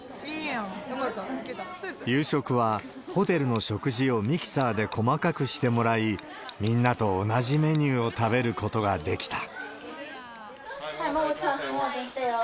夕食はホテルの食事をミキサーで細かくしてもらい、みんなと同じメニューを食べることができた。